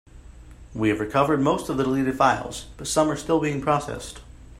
We have recovered most of the deleted files, but some are still being processed.